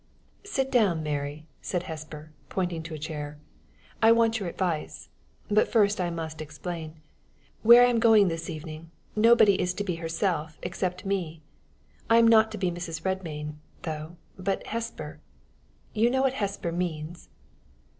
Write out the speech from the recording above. "Sit down, Mary," said Hesper, pointing to a chair; "I want your advice. But I must first explain. Where I am going this evening, nobody is to be herself except me. I am not to be Mrs. Redmain, though, but Hesper. You know what Hesper means?"